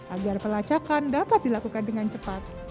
agar pelacakan dapat dilakukan dengan cepat